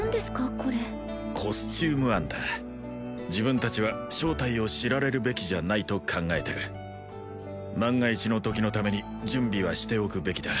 これコスチューム案だ自分達は正体を知られるべきじゃないと考えてる万が一のときのために準備はしておくべきだ